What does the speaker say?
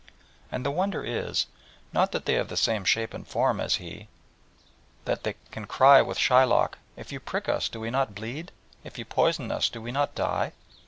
And the wonder is, not that they have the same shape and form as he, that they can cry with Shylock, "If you prick us, do we not bleed? If you poison us, do we not die?"